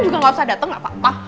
juga nggak usah datang nggak apa apa